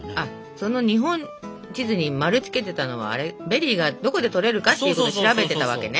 その日本地図に丸つけてたのはベリーがどこで採れるかっていうことを調べてたわけね。